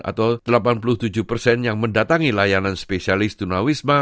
atau delapan puluh tujuh persen yang mendatangi layanan spesialis tunawisma